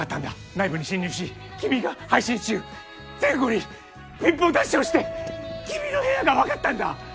内部に侵入し君が配信中全戸にピンポンダッシュをして君の部屋が分かったんだ！